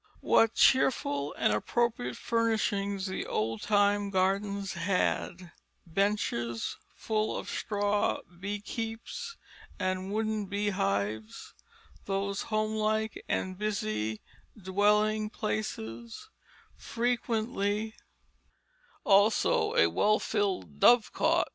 What cheerful and appropriate furnishings the old time gardens had; benches full of straw beeskepes and wooden beehives, those homelike and busy dwelling places; frequently, also, a well filled dove cote.